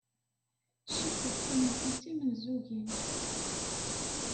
Cikkeɣ kennemti d timenzugin.